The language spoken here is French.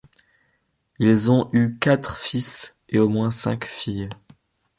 Ils ont eu quatre fils et au moins cinq filles.